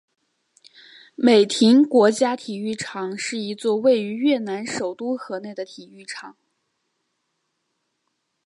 美亭国家体育场是一座位于越南首都河内的体育场。